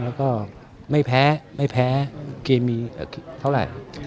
แล้วก็ไม่แพ้ไม่แพ้เกมมีเท่าไหร่